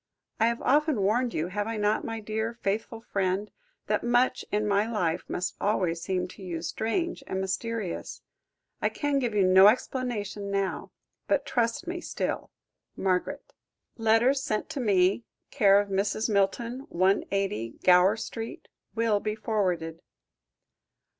I have often warned you, have I not, my dear, faithful friend, that much in my life must always seem to you strange and mysterious. I can give you no explanation now. But trust me still. MARGARET. "Letters sent to me, c/o Mrs. Milton, 180, Gower Street, will be forwarded."